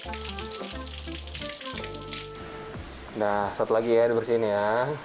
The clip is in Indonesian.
nah satu lagi ya dibersihin ya